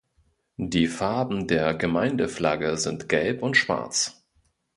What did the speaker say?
Die Farben der Gemeindeflagge sind gelb und schwarz.